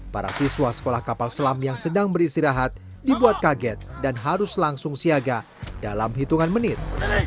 para siswa sekolah kapal selam yang sedang beristirahat dibuat kaget dan harus langsung siaga dalam hitungan menit